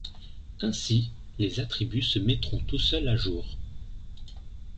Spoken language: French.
Ainsi, les attributs se mettront tout seuls à jour.